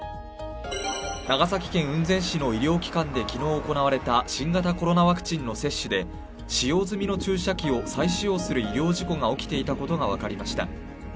長崎県雲仙市の医療機関で昨日行われた新型コロナワクチンの接種で使用済みの注射器を再使用する医療事故が起きていたことが分かりました。